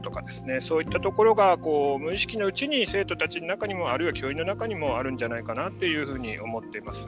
そういったところが無意識のうちに生徒たちの中やあるいは教員の中にもあるんじゃないかなと思っています。